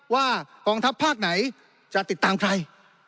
กองทัพภาคไหนจะติดตามใคร